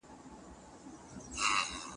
په کشمیر سینه دې هار کندهار واخیست